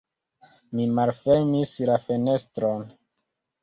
Mi malfermis la fenestron.